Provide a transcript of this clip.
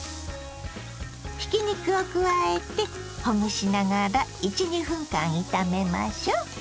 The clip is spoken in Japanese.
ひき肉を加えてほぐしながら１２分間炒めましょう。